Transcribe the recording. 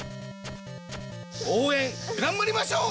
応援がんばりましょう！